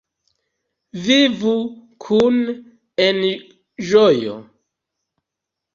Vivu kune en ĝojo!